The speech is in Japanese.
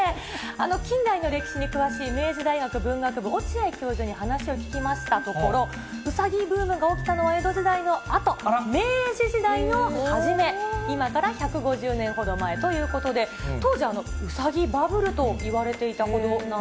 近代の歴史に詳しい明治大学文学部、落合教授に話を聞きましたところ、うさぎブームが起きたのは江戸時代のあと、明治時代の初め、今から１５０年ほど前ということで、当時、うさぎバブルといわれていたほどなんです。